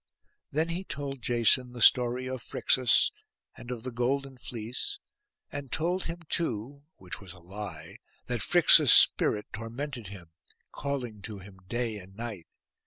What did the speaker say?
Then he told Jason the story of Phrixus, and of the golden fleece; and told him, too, which was a lie, that Phrixus' spirit tormented him, calling to him day and night.